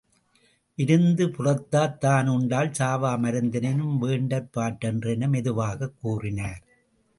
விருந்து புறத்ததாத் தானுண்டல் சாவா மருந்தெனினும் வேண்டற் பாற்றன்று என மெதுவாகக் கூறினார்.